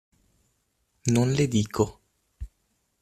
Non le dico.